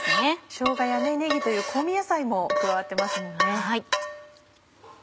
しょうがやねぎという香味野菜も加わってますもんね。